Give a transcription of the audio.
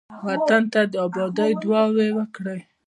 وطن ته د آبادۍ دعاوې وکړئ.